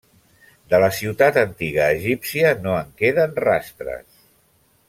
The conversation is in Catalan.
De la ciutat antiga egípcia no en queden rastres.